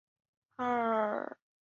现已少人使用。